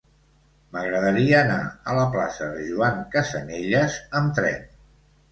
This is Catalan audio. M'agradaria anar a la plaça de Joan Casanelles amb tren.